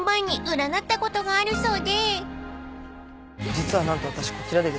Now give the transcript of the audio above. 実は何と私こちらでですね